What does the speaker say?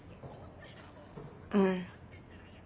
うん。